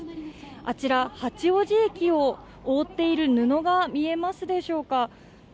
あちら、八王子駅を覆っている布が見えますでしょうか。